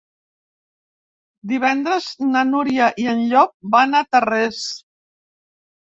Divendres na Núria i en Llop van a Tarrés.